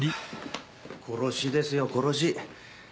殺しですよ殺し。